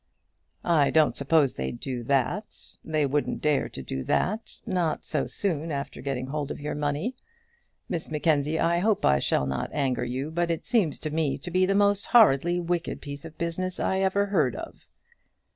"I don't suppose they'd do that. They wouldn't dare to do that; not so soon after getting hold of your money. Miss Mackenzie, I hope I shall not anger you; but it seems to me to be the most horridly wicked piece of business I ever heard of."